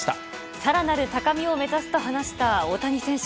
さらなる高みを目指すと話した大谷選手。